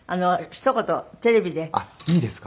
あっいいですか？